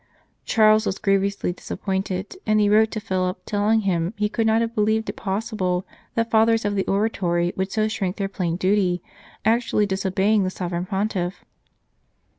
Charles was grievously disappointed, and he wrote to Philip, telling him he could not have believed it possible that Fathers of the Oratory would so shirk their plain duty, actually disobey ing the Sovereign Pontiff.